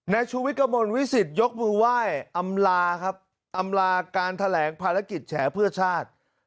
ในชูวิตกระมวลวิสิตยกมือไหว้อำลากาลแถลงภารกิจแฉเพื่อชาติ